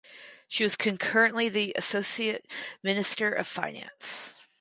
She was concurrently the associate minister of finance.